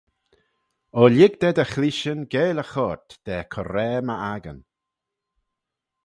O lhig da dty chleayshyn geill y choyrt: da coraa m'accan.